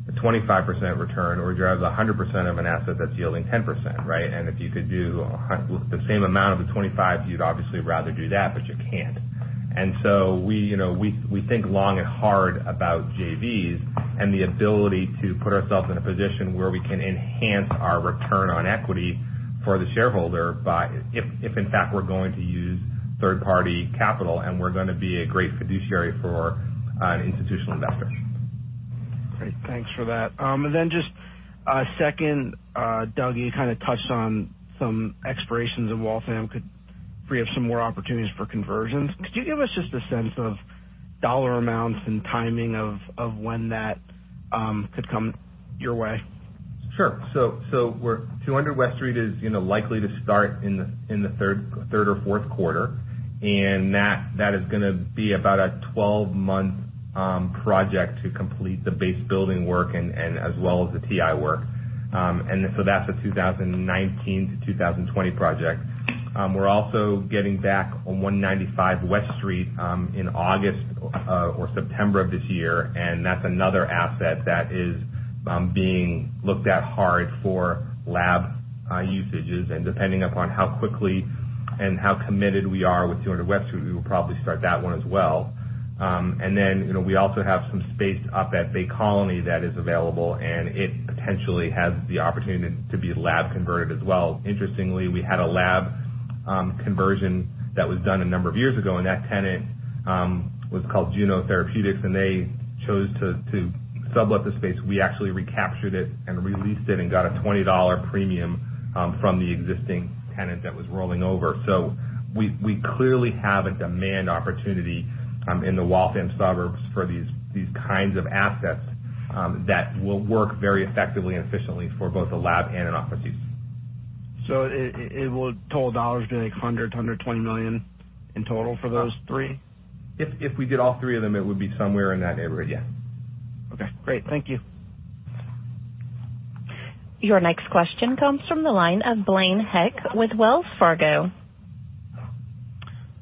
a 25% return, or would you rather have 100% of an asset that's yielding 10%? If you could do the same amount of the 25, you'd obviously rather do that, but you can't. We think long and hard about JVs and the ability to put ourselves in a position where we can enhance our return on equity for the shareholder, if in fact, we're going to use third-party capital and we're going to be a great fiduciary for an institutional investor. Great. Thanks for that. Then just a second, Doug, you kind of touched on some expirations in Waltham could free up some more opportunities for conversions. Could you give us just a sense of dollar amounts and timing of when that could come your way? Sure. 200 West Street is likely to start in the third or fourth quarter, and that is going to be about a 12-month project to complete the base building work and as well as the TI work. That's a 2019 to 2020 project. We're also getting back on 195 West Street in August or September of this year, and that's another asset that is being looked at hard for lab usages. Depending upon how quickly and how committed we are with 200 West Street, we will probably start that one as well. We also have some space up at Bay Colony that is available, and it potentially has the opportunity to be lab converted as well. Interestingly, we had a lab conversion that was done a number of years ago, and that tenant was called Juno Therapeutics, and they chose to sublet the space. We actually recaptured it and re-leased it and got a $20 premium from the existing tenant that was rolling over. We clearly have a demand opportunity in the Waltham suburbs for these kinds of assets that will work very effectively and efficiently for both the lab and an office use. total would be like $100 million-$120 million in total for those three? If we did all three of them, it would be somewhere in that neighborhood, yeah. Okay, great. Thank you. Your next question comes from the line of Blaine Heck with Wells Fargo.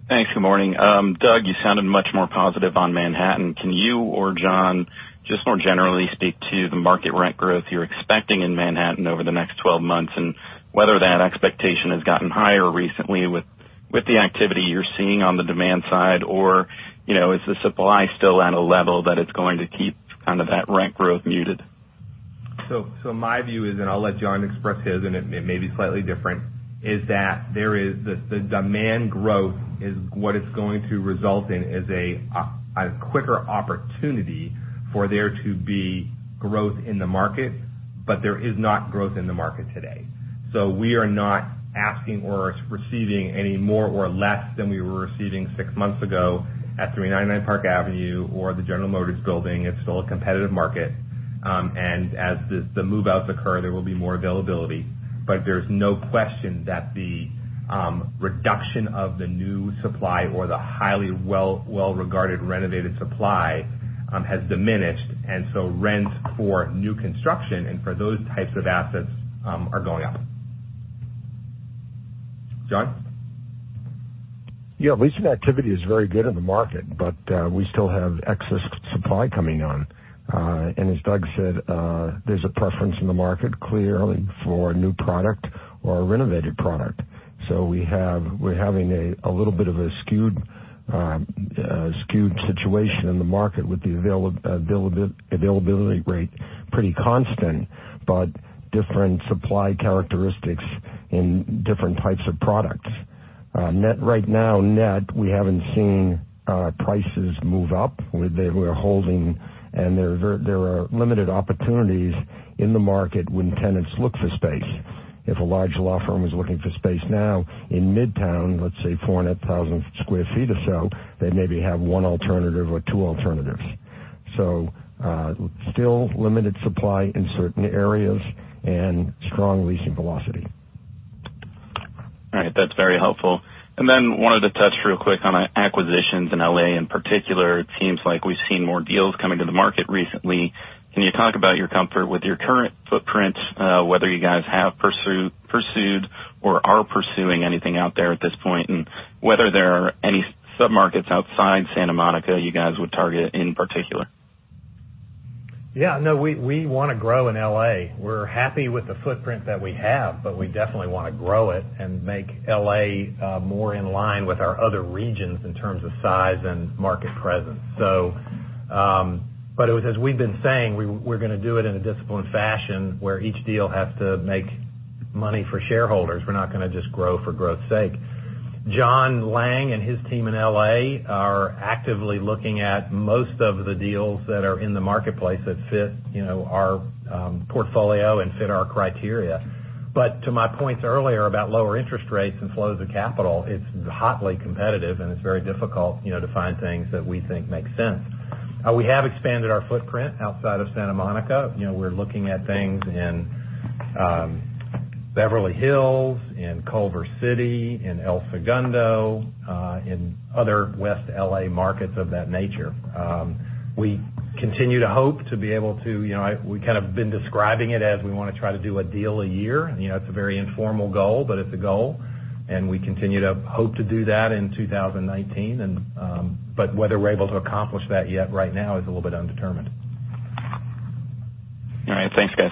Thanks. Good morning. Doug, you sounded much more positive on Manhattan. Can you or John just more generally speak to the market rent growth you're expecting in Manhattan over the next 12 months, and whether that expectation has gotten higher recently with the activity you're seeing on the demand side, or is the supply still at a level that it's going to keep kind of that rent growth muted? My view is, and I'll let John express his, and it may be slightly different, is that the demand growth, what it's going to result in is a quicker opportunity for there to be growth in the market, but there is not growth in the market today. We are not asking or receiving any more or less than we were receiving six months ago at 399 Park Avenue or the General Motors building. It's still a competitive market. As the move-outs occur, there will be more availability. There's no question that the reduction of the new supply or the highly well-regarded renovated supply has diminished. Rents for new construction and for those types of assets are going up. John? Yeah, leasing activity is very good in the market, but we still have excess supply coming on. As Doug said, there's a preference in the market, clearly, for a new product or a renovated product. We're having a little bit of a skewed situation in the market with the availability rate pretty constant, but different supply characteristics in different types of products. Right now, net, we haven't seen prices move up. They were holding, and there are limited opportunities in the market when tenants look for space. If a large law firm is looking for space now in Midtown, let's say 400,000 square feet or so, they maybe have one alternative or two alternatives. Still limited supply in certain areas and strong leasing velocity. All right. That's very helpful. Wanted to touch real quick on acquisitions in L.A. in particular. It seems like we've seen more deals coming to the market recently. Can you talk about your comfort with your current footprint, whether you guys have pursued or are pursuing anything out there at this point, and whether there are any sub-markets outside Santa Monica you guys would target in particular? Yeah. We want to grow in L.A. We're happy with the footprint that we have, but we definitely want to grow it and make L.A. more in line with our other regions in terms of size and market presence. As we've been saying, we're going to do it in a disciplined fashion where each deal has to make money for shareholders. We're not going to just grow for growth's sake. Jonathan Lange and his team in L.A. are actively looking at most of the deals that are in the marketplace that fit our portfolio and fit our criteria. To my points earlier about lower interest rates and flows of capital, it's hotly competitive, and it's very difficult to find things that we think make sense. We have expanded our footprint outside of Santa Monica. We're looking at things in Beverly Hills, in Culver City, in El Segundo, in other West L.A. markets of that nature. We continue to hope to be able to. We've kind of been describing it as we want to try to do a deal a year. It's a very informal goal, but it's a goal, and we continue to hope to do that in 2019. Whether we're able to accomplish that yet right now is a little bit undetermined. All right. Thanks, guys.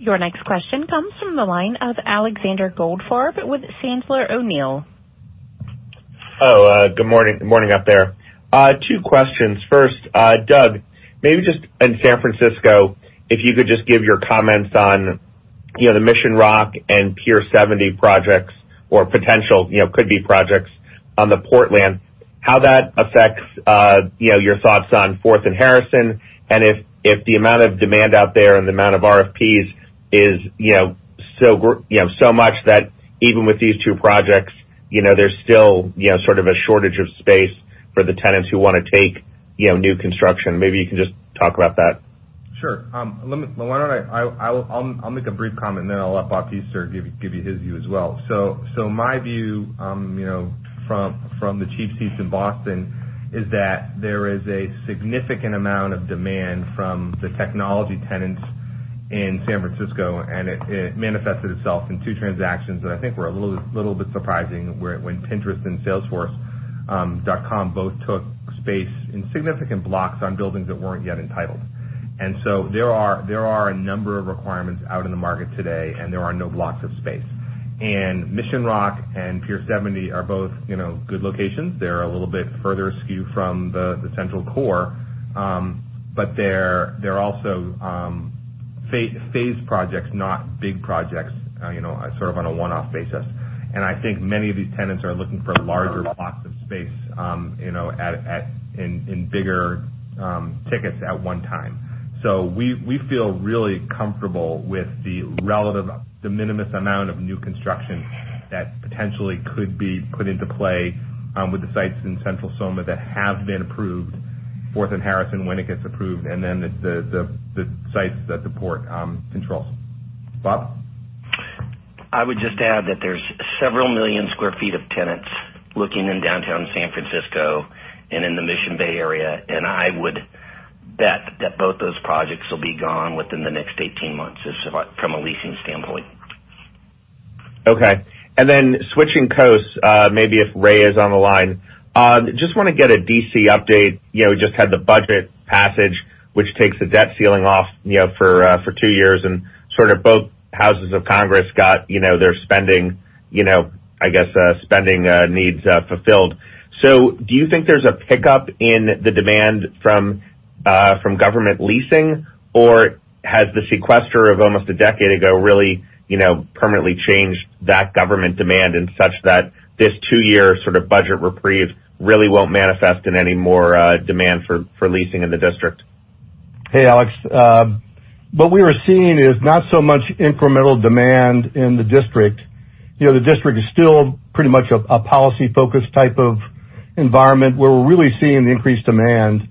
Your next question comes from the line of Alexander Goldfarb with Sandler O'Neill. Good morning up there. Two questions. First, Doug, maybe just in San Francisco, if you could just give your comments on the Mission Rock and Pier 70 projects or potential could-be projects on the Port land. How that affects your thoughts on Fourth and Harrison, and if the amount of demand out there and the amount of RFPs is so much that even with these two projects, there's still sort of a shortage of space for the tenants who want to take new construction. Maybe you can just talk about that. Sure. I'll make a brief comment, and then I'll let Bob Pester give you his view as well. My view from the chief seats in Boston is that there is a significant amount of demand from the technology tenants in San Francisco, and it manifested itself in two transactions that I think were a little bit surprising when Pinterest and Salesforce both took space in significant blocks on buildings that weren't yet entitled. There are a number of requirements out in the market today, and there are no blocks of space. Mission Rock and Pier 70 are both good locations. They're a little bit further askew from the central core. They're also phase projects, not big projects sort of on a one-off basis. I think many of these tenants are looking for larger blocks of space in bigger tickets at one time. We feel really comfortable with the relative de minimis amount of new construction that potentially could be put into play with the sites in Central Soma that have been approved, Fourth and Harrison, when it gets approved, and then the sites that the port controls. Bob? I would just add that there's several million square feet of tenants looking in downtown San Francisco and in the Mission Bay area, and I would bet that both those projects will be gone within the next 18 months from a leasing standpoint. Okay. Switching coasts, maybe if Ray is on the line, just want to get a D.C. update? We just had the budget passage, which takes the debt ceiling off for 2 years, sort of both houses of Congress got their spending needs fulfilled. Do you think there's a pickup in the demand from government leasing, or has the sequester of almost a decade ago really permanently changed that government demand in such that this 2-year sort of budget reprieve really won't manifest in any more demand for leasing in the district? Hey, Alex. What we are seeing is not so much incremental demand in the district. The district is still pretty much a policy-focused type of environment. Where we're really seeing the increased demand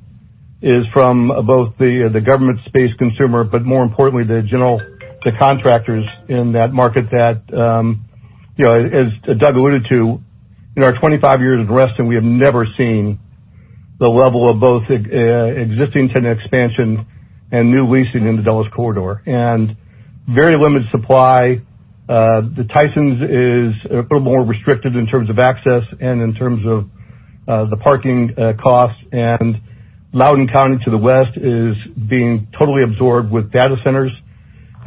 is from both the government space consumer, but more importantly, the contractors in that market that, as Doug alluded to, in our 25 years of investing, we have never seen the level of both existing tenant expansion and new leasing in the Dulles Corridor. Very limited supply. Tysons is a little more restricted in terms of access and in terms of the parking costs. Loudoun County to the west is being totally absorbed with data centers.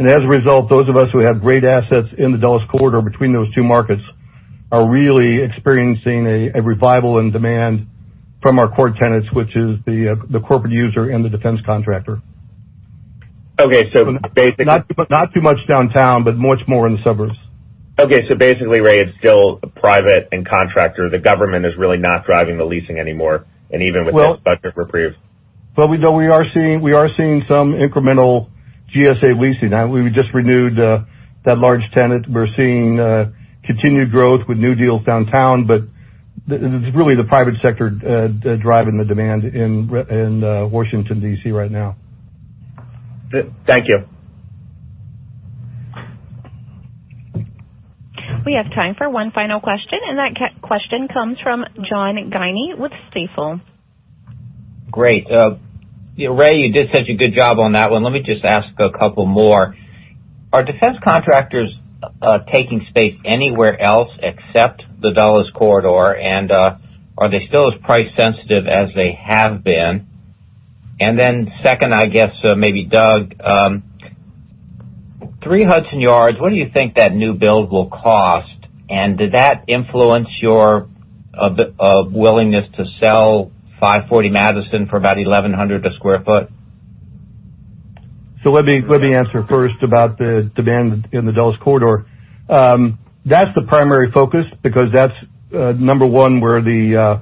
As a result, those of us who have great assets in the Dulles Corridor between those two markets are really experiencing a revival in demand from our core tenants, which is the corporate user and the defense contractor. Okay. Not too much downtown, but much more in the suburbs. Okay. Basically, Ray, it's still private and contractor. The government is really not driving the leasing anymore, and even with this budget reprieve. We are seeing some incremental GSA leasing. We just renewed that large tenant. We're seeing continued growth with new deals downtown, but it's really the private sector driving the demand in Washington, D.C. right now. Thank you. We have time for one final question, and that question comes from John Guinee with Stifel. Great. Ray, you did such a good job on that one. Let me just ask a couple more. Are defense contractors taking space anywhere else except the Dulles Corridor? Are they still as price sensitive as they have been? Second, I guess maybe Doug, 3 Hudson Boulevard, what do you think that new build will cost? Did that influence your willingness to sell 540 Madison for about $1,100 a square foot? Let me answer first about the demand in the Dulles Corridor. That's the primary focus because that's, number 1, where the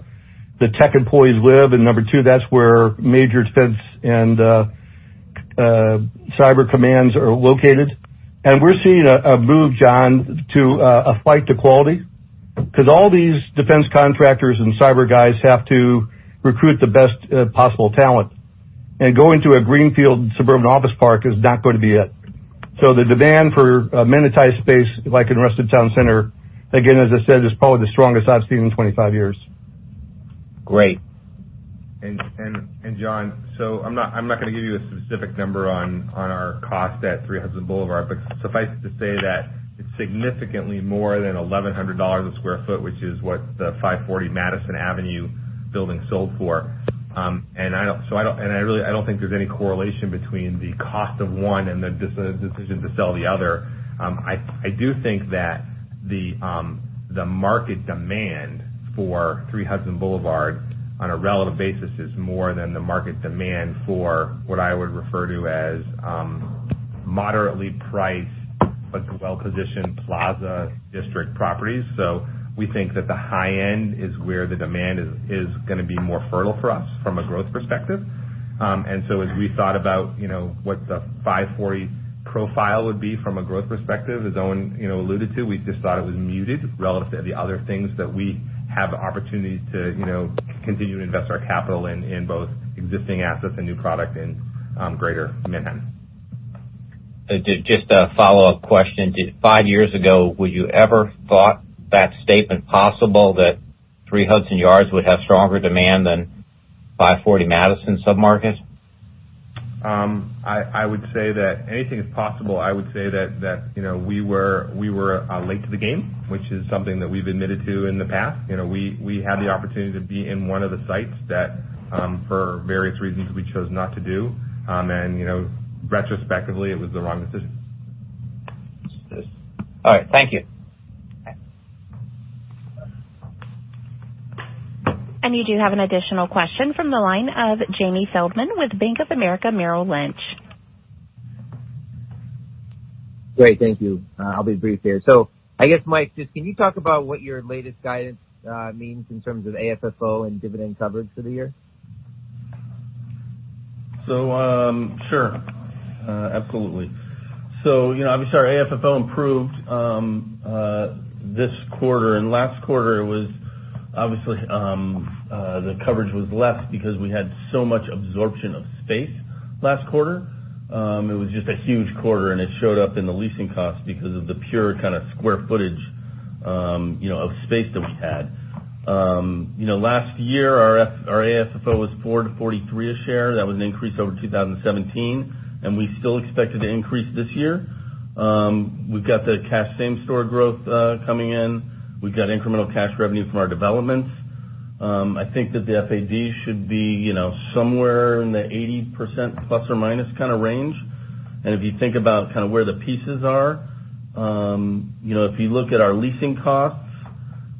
tech employees live, and number 2, that's where major defense and Cyber commands are located. We're seeing a move, John, to a flight to quality, because all these defense contractors and Cyber guys have to recruit the best possible talent. Going to a greenfield suburban office park is not going to be it. The demand for amenitized space like in Reston Town Center, again, as I said, is probably the strongest I've seen in 25 years. Great. John, I'm not going to give you a specific number on our cost at 3 Hudson Boulevard, but suffice it to say that it's significantly more than $1,100 a square foot, which is what the 540 Madison Avenue building sold for. I don't think there's any correlation between the cost of one and the decision to sell the other. I do think that the market demand for 3 Hudson Boulevard on a relative basis is more than the market demand for what I would refer to as moderately priced, but well-positioned Plaza District properties. We think that the high end is where the demand is going to be more fertile for us from a growth perspective. As we thought about what the 540 profile would be from a growth perspective, as Owen alluded to, we just thought it was muted relative to the other things that we have the opportunity to continue to invest our capital in both existing assets and new product in Greater Manhattan. Just a follow-up question. Five years ago, would you ever thought that statement possible that 3 Hudson Boulevard would have stronger demand than 540 Madison sub-market? I would say that anything is possible. I would say that we were late to the game, which is something that we've admitted to in the past. We had the opportunity to be in one of the sites that for various reasons we chose not to do. Retrospectively, it was the wrong decision. All right. Thank you. You do have an additional question from the line of Jamie Feldman with Bank of America Merrill Lynch. Great. Thank you. I'll be brief here. I guess, Mike, just can you talk about what your latest guidance means in terms of AFFO and dividend coverage for the year? Sure. Absolutely. Obviously our AFFO improved this quarter and last quarter, obviously, the coverage was less because we had so much absorption of space last quarter. It was just a huge quarter, and it showed up in the leasing cost because of the pure kind of square footage of space that we had. Last year, our AFFO was $4.43 a share. That was an increase over 2017, and we still expect it to increase this year. We've got the cash same store growth coming in. We've got incremental cash revenue from our developments. I think that the FAD should be somewhere in the 80% plus or minus kind of range. If you think about kind of where the pieces are, if you look at our leasing costs,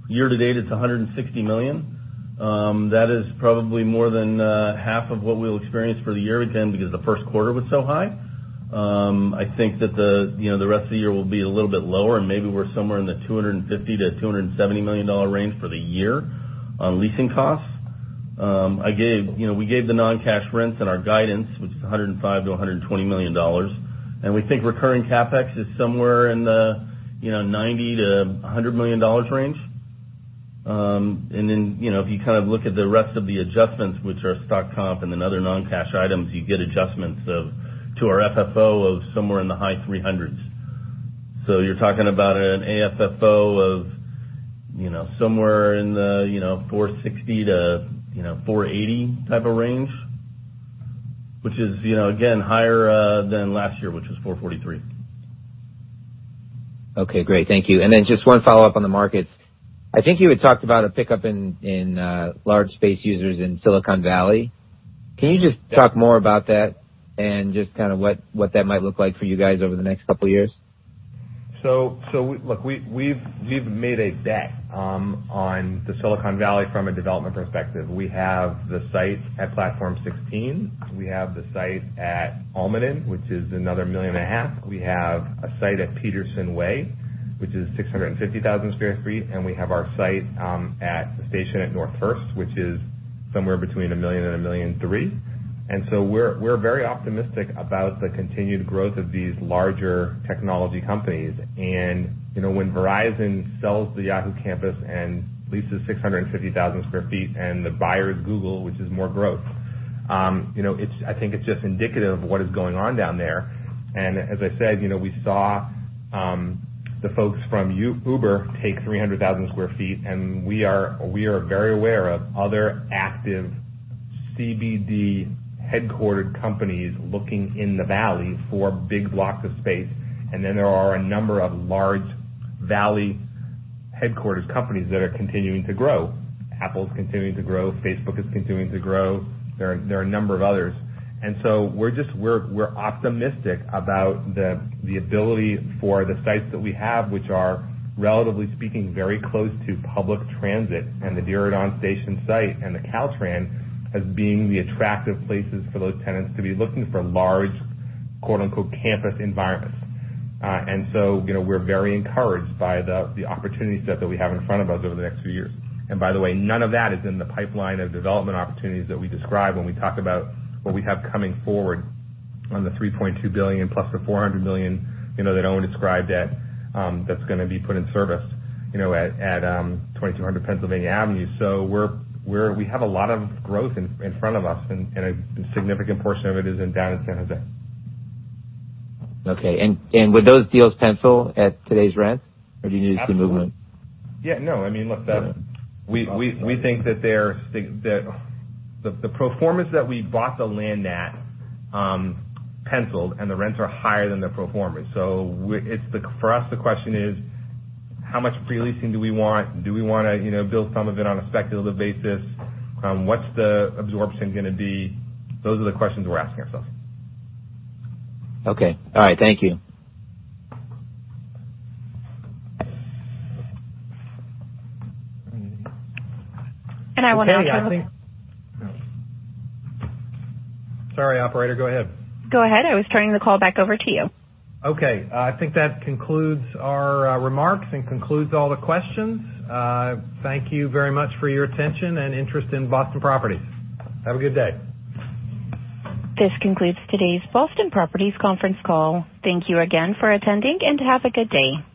year to date, it's $160 million. That is probably more than half of what we'll experience for the year again, because the first quarter was so high. I think that the rest of the year will be a little bit lower, and maybe we're somewhere in the $250 million-$270 million range for the year on leasing costs. We gave the non-cash rents in our guidance, which is $105 million-$120 million. We think recurring CapEx is somewhere in the $90 million-$100 million range. If you kind of look at the rest of the adjustments, which are stock comp and then other non-cash items, you get adjustments to our FFO of somewhere in the high $300 million. You're talking about an AFFO of somewhere in the $460 million-$480 million type of range, which is, again, higher than last year, which was $443 million. Okay, great. Thank you. Then just one follow-up on the markets. I think you had talked about a pickup in large space users in Silicon Valley. Can you just talk more about that and just kind of what that might look like for you guys over the next couple of years? Look, we've made a bet on the Silicon Valley from a development perspective. We have the site at Platform 16. We have the site at Almaden, which is another million and a half. We have a site at Peterson Way, which is 650,000 sq ft, and we have our site at Station at North First, which is somewhere between 1 million-1.3 million sq ft. We're very optimistic about the continued growth of these larger technology companies. When Verizon sells the Yahoo campus and leases 650,000 sq ft and the buyer is Google, which is more growth, I think it's just indicative of what is going on down there. As I said, we saw the folks from Uber take 300,000 sq ft, and we are very aware of other active CBD headquartered companies looking in the valley for big blocks of space. There are a number of large valley-headquartered companies that are continuing to grow. Apple is continuing to grow. Facebook is continuing to grow. There are a number of others. We're optimistic about the ability for the sites that we have, which are, relatively speaking, very close to public transit and the Diridon station site and the Caltrain as being the attractive places for those tenants to be looking for large "campus environments." We're very encouraged by the opportunity set that we have in front of us over the next few years. By the way, none of that is in the pipeline of development opportunities that we describe when we talk about what we have coming forward on the $3.2 billion plus the $400 million that Owen described that's going to be put in service at 2100 Pennsylvania Avenue. We have a lot of growth in front of us, and a significant portion of it is down in San Jose. Okay. Would those deals pencil at today's rents? Do you need to see movement? I mean, look, we think that the pro formas that we bought the land at penciled and the rents are higher than the pro formas. For us, the question is, how much pre-leasing do we want? Do we want to build some of it on a speculative basis? What's the absorption going to be? Those are the questions we're asking ourselves. Okay. All right. Thank you. And I want to- Okay, I think. Sorry, operator. Go ahead. Go ahead. I was turning the call back over to you. Okay. I think that concludes our remarks and concludes all the questions. Thank you very much for your attention and interest in Boston Properties. Have a good day. This concludes today's Boston Properties conference call. Thank you again for attending, and have a good day.